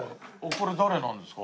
これ誰なんですか？